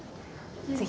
ぜひ。